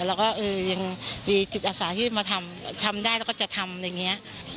แล้วก็เออยังมีจิตอาสาที่มาทำทำได้แล้วก็จะทำอะไรอย่างนี้